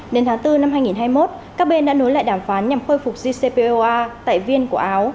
đến tháng bốn năm hai nghìn hai mươi một các bên đã nối lại đàm phán nhằm khôi phục jcpoa tại viên của áo